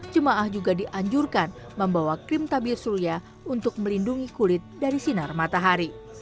jemaah juga dianjurkan membawa krim tabir surya untuk melindungi kulit dari sinar matahari